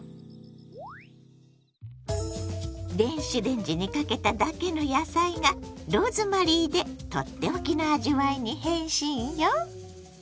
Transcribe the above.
電子レンジにかけただけの野菜がローズマリーでとっておきの味わいに変身よ。